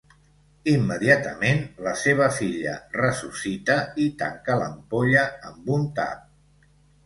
Immediatament la seva filla ressuscita i tanca l'ampolla amb un tap.